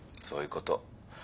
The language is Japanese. そういうこと。